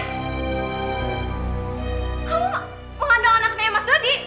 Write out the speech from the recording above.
kamu mengandung anaknya mas dodi